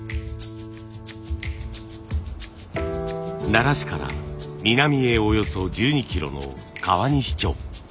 奈良市から南へおよそ１２キロの川西町。